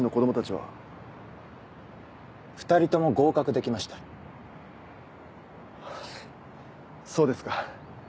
はぁそうですか。